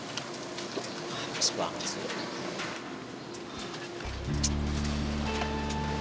habis banget sih